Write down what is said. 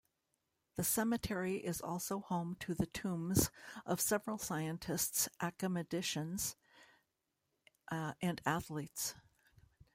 The cemetery is also home to the tombs of several scientists, academicians and athletes.